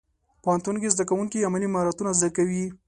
پوهنتون کې زدهکوونکي عملي مهارتونه زده کوي.